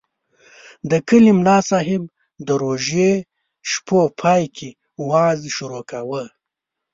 د کلي ملاصاحب د روژې شپو پای کې وعظ شروع کاوه.